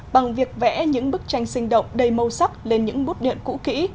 bằng việc vẽ những bức tranh sinh động đầy màu sắc lên những bút điện cũ kỹ